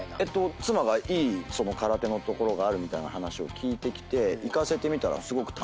妻がいい空手の所があるみたいな話を聞いてきて行かせてみたら。